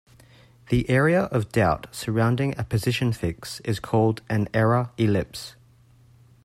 The area of doubt surrounding a position fix is called an error ellipse.